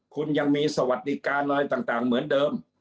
คุณยังมีสวัสดิการอะไรต่างเหมือนเดิม